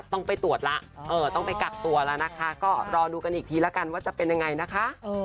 ต้องไปตรวจแล้วต้องไปกักตัวแล้วนะคะก็รอดูกันอีกทีแล้วกันว่าจะเป็นยังไงนะคะ